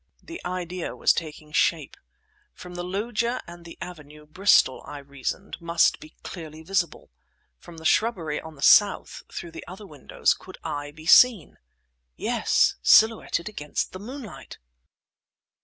The idea was taking shape. From the loggia and the avenue Bristol, I reasoned, must be clearly visible. From the shrubbery on the south, through the other windows could I be seen? Yes, silhouetted against the moonlight!